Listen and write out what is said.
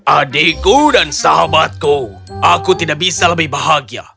adikku dan sahabatku aku tidak bisa lebih bahagia